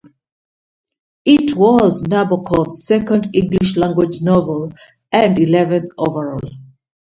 It was Nabokov's second English-language novel and eleventh overall.